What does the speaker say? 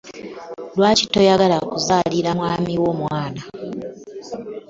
Lwaki toyagala kuzalira mwami wo mwana?